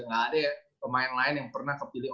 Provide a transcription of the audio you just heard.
nggak ada pemain lain yang pernah kepilih